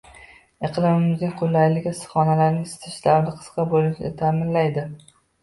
Iqlimimizning qulayligi issiqxonalarni isitish davri qisqa bo‘lishini ta’minlaydi